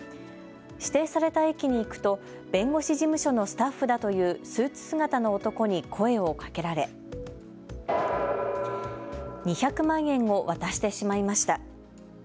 指定された駅に行くと弁護士事務所のスタッフだというスーツ姿の男に声をかけられ２００万円を渡してしまいました。